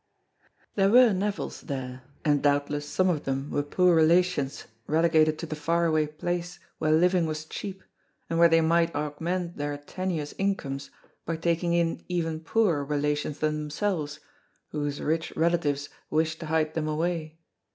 There were Nevilles there, and doubtless some of them were poor relations relegated to the far away place where living was cheap and where they might augment their tenuous incomes by taking in even poorer relations than themselves whose rich relatives wished to hide them away.